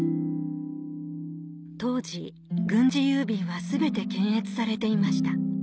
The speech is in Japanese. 当時軍事郵便は全て検閲されていました